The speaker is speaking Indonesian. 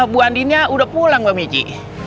bu andinnya udah pulang mbak michi